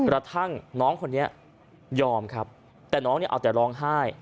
กระทั่งน้องคนนี้ยอมครับแต่น้องเนี่ยเอาแต่ร้องไห้